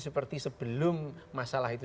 seperti sebelum masalah itu